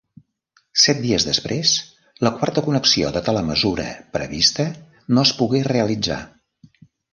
Set dies després, la quarta connexió de telemesura prevista no es pogué realitzar.